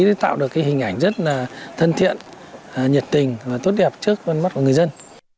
để tạo được hình ảnh rất thân thiện nhiệt tình và tốt đẹp trước mắt của người dân